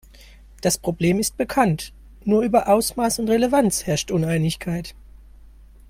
Das Problem ist bekannt, nur über Ausmaß und Relevanz herrscht Uneinigkeit.